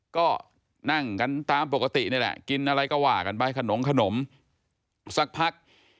ก็นั่งกันตามปกตินี่แหละกินอะไรก็ว่ากันไปขนมขนมสักพัก